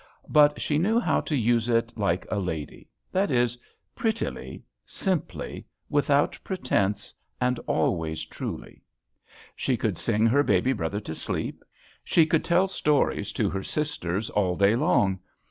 But she knew how to use it like a lady; that is, prettily, simply, without pretence, and always truly. She could sing her baby brother to sleep. She could tell stories to her sisters all day long.